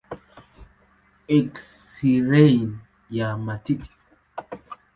Eksirei ya matiti.